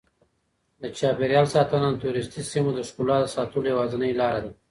د چاپیریال ساتنه د توریستي سیمو د ښکلا د ساتلو یوازینۍ لاره ده.